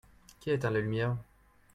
Qui a éteint la lumière ?